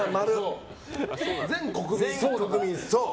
全国民そう。